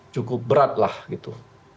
cukup berat lah gitu